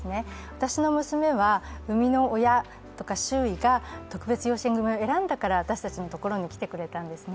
私の娘は生みの親とか、周囲が特別養子縁組を選んだから私たちのもとに来てくれたんですね。